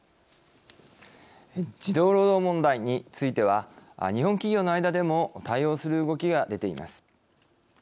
児童労働問題については日本企業の間でも対応する動きが出ています。